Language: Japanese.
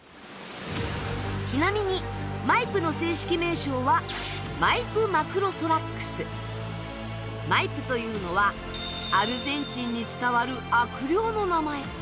ちなみにマイプの正式名称はマイプというのはアルゼンチンに伝わる悪霊の名前。